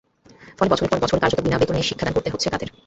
ফলে বছরের পর বছর কার্যত বিনা বেতনে শিক্ষাদান করতে হচ্ছে তাঁদের।